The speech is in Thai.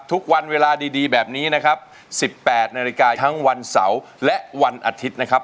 ทุกวันเวลาดีแบบนี้นะครับ๑๘นาฬิกาทั้งวันเสาร์และวันอาทิตย์นะครับ